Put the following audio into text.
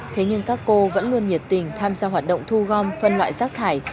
thế nhưng các cô vẫn luôn nhiệt tình tham gia hoạt động thu gom phân loại rác thải